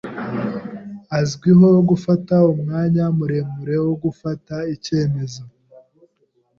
Azwiho gufata umwanya muremure wo gufata icyemezo.